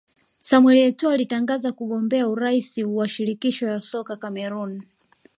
Samuel Etoo alitangaza kugombea urais wa Shirikisho la Soka la Cameroon